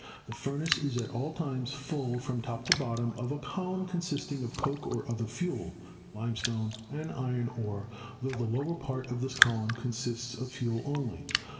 The furnace is at all times full from top to bottom of a column consisting of coke or other fuel, limestone and iron ore, tho the lower part of this column consists of fuel only.